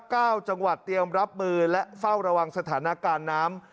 เก้าจังหวัดเตรียมรับมือและเฝ้าระวังสถานการณ์น้ำ